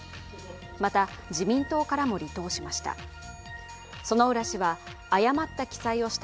また、自民党からも離党しました。